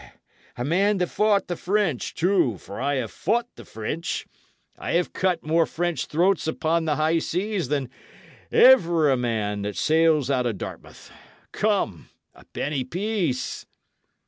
A man that fought the French, too; for I have fought the French; I have cut more French throats upon the high seas than ever a man that sails out of Dartmouth. Come, a penny piece."